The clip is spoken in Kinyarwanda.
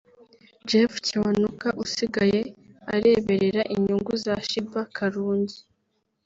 Jeff Kiwanuka usigaye areberera inyungu za Sheebah Karungi